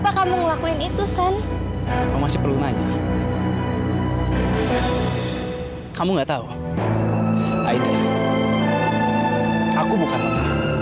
aku kecewa sama kamu san